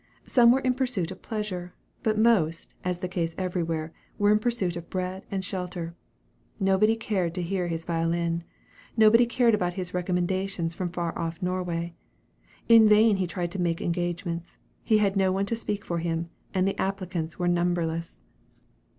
Some were in pursuit of pleasure; but most, as is the case everywhere, were in pursuit of bread and shelter. Nobody cared to hear his violin. Nobody cared about his recommendations from far off Norway. In vain he tried to make engagements. He had no one to speak for him, and the applicants were numberless.